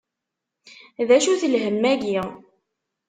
D acu-t lhemm-agi?